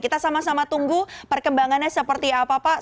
kita sama sama tunggu perkembangannya seperti apa pak